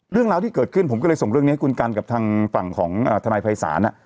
เรื่องราวที่เกิดขึ้นผมก็เลยส่งเรื่องนี้ให้คุณกันกับทางฝั่งของทนายภัยศาล